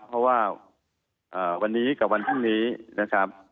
เพราะว่าวันนี้กับวันพรุ่งนี้นะครับ